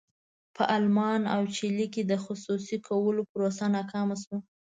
په المان او چیلي کې د خصوصي کولو پروسه ناکامه شوه.